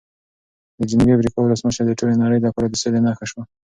د جنوبي افریقا ولسمشر د ټولې نړۍ لپاره د سولې نښه شو.